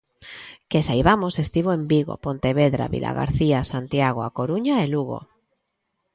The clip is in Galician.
Que saibamos estivo en Vigo, Pontevedra, Vilagarcía, Santiago, A Coruña e Lugo.